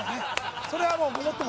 それはごもっとも。